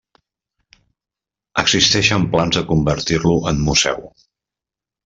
Existeixen plans de convertir-lo en museu.